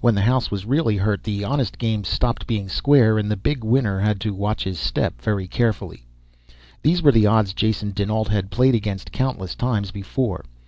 When the house was really hurt the honest games stopped being square and the big winner had to watch his step very carefully. These were the odds Jason dinAlt had played against countless times before.